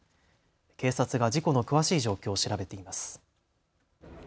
警察が事故の詳しい状況を調べています。